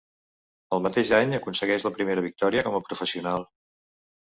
El mateix any aconsegueix la primera victòria com a professional.